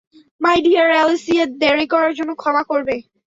মাই dear Alicia, দেরী করার জন্য ক্ষমা করবে?